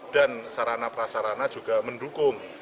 dan sarana prasarana juga mendukung